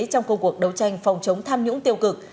trong công cuộc đấu tranh phòng chống tham nhũng tiêu cực